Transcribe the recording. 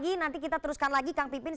nanti kita teruskan lagi kang pipin